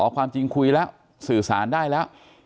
ความจริงคุยแล้วสื่อสารได้แล้ว